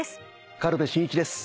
軽部真一です。